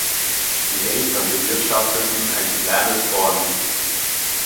Die Eltern bewirtschafteten ein kleines Bauerngut.